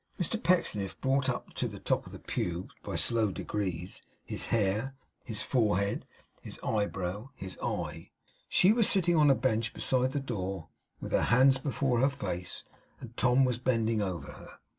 Mr Pecksniff brought up to the top of the pew, by slow degrees, his hair, his forehead, his eyebrow, his eye. She was sitting on a bench beside the door with her hands before her face; and Tom was bending over her.